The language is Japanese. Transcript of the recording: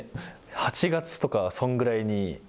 ８月とかそんぐらいに。